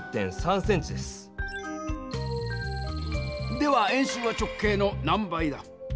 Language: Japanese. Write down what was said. では円周は直径の何倍だ？